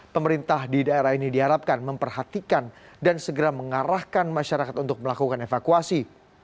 pemerintah di daerah ini diharapkan memperhatikan dan segera mengarahkan masyarakat untuk melakukan evakuasi